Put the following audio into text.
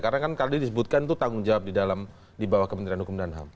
karena kan kalau disebutkan itu tanggung jawab di dalam di bawah kementerian hukum dan ham